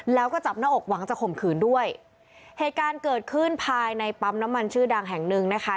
แล้วก็จับหน้าอกหวังจะข่มขืนด้วยเหตุการณ์เกิดขึ้นภายในปั๊มน้ำมันชื่อดังแห่งหนึ่งนะคะ